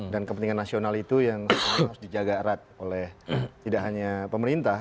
dan kepentingan nasional itu yang harus dijaga erat oleh tidak hanya pemerintah